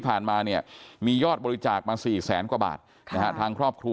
ค่ะค่ะค่ะค่ะค่ะค่ะค่ะค่ะค่ะค่ะค่ะค่ะค่ะค่ะค่ะ